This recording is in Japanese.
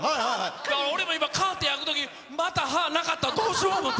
俺も今、カーテン開くとき、また歯なかったらどうしよう思って。